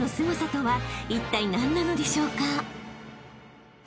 ［いったい何なのでしょうか？］